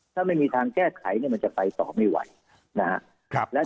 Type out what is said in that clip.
ถ้าไม่มีทางแก้ไขมันจะไปต่อไม่ไหว